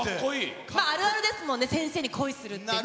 あるあるですもんね、先生に恋するってね。